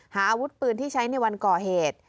อาวุธปืนที่ใช้ในวันก่อเหตุ